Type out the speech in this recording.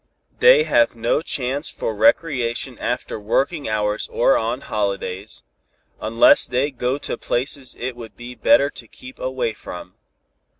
They have no chance for recreation after working hours or on holidays, unless they go to places it would be better to keep away from.